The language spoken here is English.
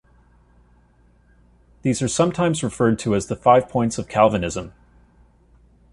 These are sometimes referred to as the Five points of Calvinism.